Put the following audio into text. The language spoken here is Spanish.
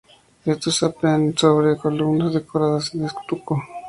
Estos se apean sobre columnas decoradas al estuco.